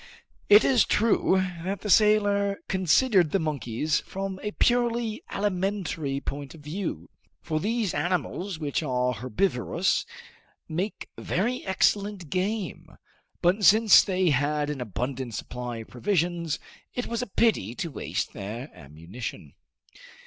It is true that the sailor considered the monkeys from a purely alimentary point of view, for those animals which are herbivorous make very excellent game; but since they had an abundant supply of provisions, it was a pity to waste their ammunition.